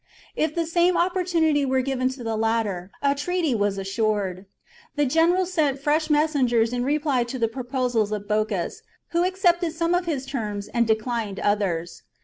If the same opportunity were given to the latter, a treaty was assured. The general sent fresh messengers in reply to the proposals of Bocchus, who accepted some of his terms, and declined others.